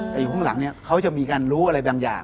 แต่อยู่ข้างหลังเนี่ยเขาจะมีการรู้อะไรบางอย่าง